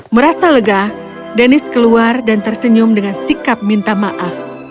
merasa lega deniz keluar dan tersenyum dengan sikap minta maaf